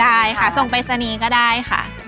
ได้ค่ะส่งไปสนีก็ได้ค่ะ